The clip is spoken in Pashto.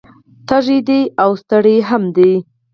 تږی دی او ستړی هم دی